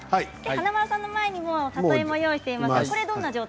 華丸さんの前にも里芋を用意しています。